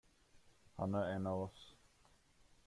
Han är en av oss.